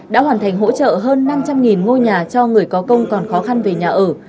đã hoàn thành hỗ trợ hơn năm trăm linh ngôi nhà cho người có công còn khó khăn về nhà ở